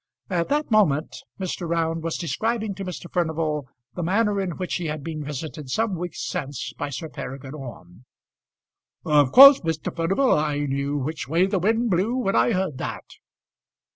At that moment Mr. Round was describing to Mr. Furnival the manner in which he had been visited some weeks since by Sir Peregrine Orme. "Of course, Mr. Furnival, I knew which way the wind blew when I heard that."